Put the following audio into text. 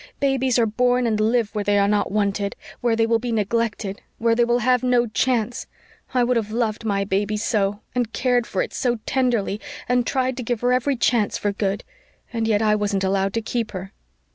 "Babies are born and live where they are not wanted where they will be neglected where they will have no chance. I would have loved my baby so and cared for it so tenderly and tried to give her every chance for good. And yet I wasn't allowed to keep her."